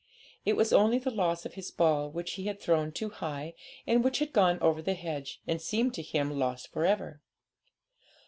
It was only the loss of his ball, which he had thrown too high, and which had gone over the hedge, and seemed to him lost for ever.